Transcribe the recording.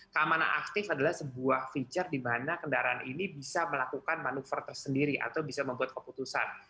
keamanan aktif adalah sebuah feature di mana kendaraan ini bisa melakukan manuver tersendiri atau bisa membuat keputusan